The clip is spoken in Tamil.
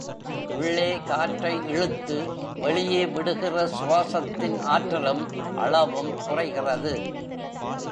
உள்ளே காற்றை இழுத்து வெளியே விடுகிற சுவாசத்தின் ஆற்றலும் அளவும் குறைகிறது.